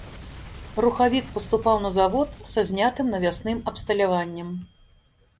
Рухавік паступаў на завод са знятым навясным абсталяваннем.